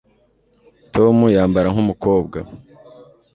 tom yambara nkumukobwa